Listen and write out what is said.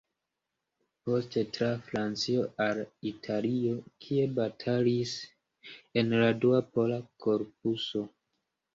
Poste tra Francio al Italio, kie batalis en la Dua Pola Korpuso.